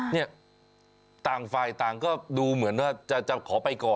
เนี่ยต่างฝ่ายต่างก็ดูเหมือนว่าจะขอไปก่อน